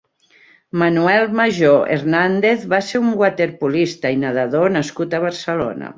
Manuel Majó Hernández va ser un waterpolista i nedador nascut a Barcelona.